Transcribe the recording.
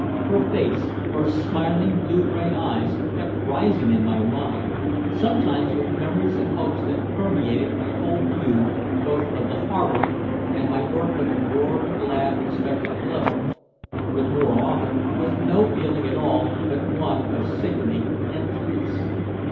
Her face, her smiling blue gray eyes, kept rising in my mind, sometimes with memories and hopes that permeated my whole view both of the harbor and my work with a warm glad expectant glow, but more often with no feeling at all but one of sickening emptiness.